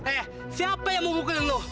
eh siapa yang mau pukulin lo